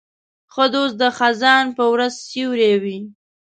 ښه دوست د خزان په ورځ سیوری وي.